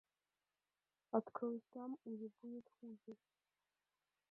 – Открой сам, или будет хуже!